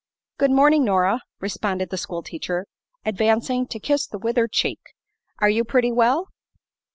"Good morning, Nora," responded the schoolteacher, advancing to kiss the withered cheek. "Are you pretty well?"